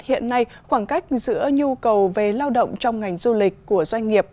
hiện nay khoảng cách giữa nhu cầu về lao động trong ngành du lịch của doanh nghiệp